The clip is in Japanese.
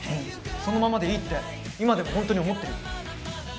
そのままでいいって今でも本当に思ってる。